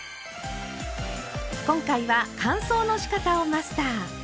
今回は乾燥のしかたをマスター。